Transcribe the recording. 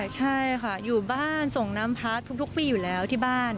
ใช่ค่ะอยู่บ้านส่งน้ำพระทุกปีอยู่แล้วที่บ้าน